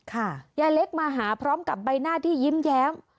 ยายเล็กมาหาพร้อมกับใบหน้าที่ยิ้มแย้ม